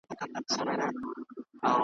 شګوفې مو لکه اوښکي د خوښیو .